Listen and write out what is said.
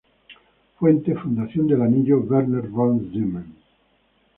Fuente: Fundación del Anillo Werner von Siemens